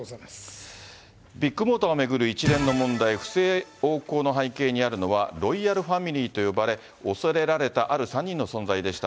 ビッグモーターを巡る一連の問題、不正横行の背景にあるのはロイヤルファミリーと呼ばれ、恐れられたある３人の存在でした。